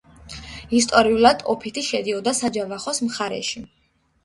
ისტორიულად ოფეთი შედიოდა საჯავახოს მხარეში.